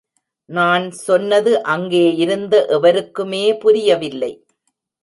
நான் சொன்னது அங்கே இருந்த எவருக்குமே புரியவில்லை.